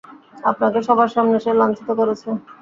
আপনাকে সবার সামনে সে লাঞ্ছিত করেছে।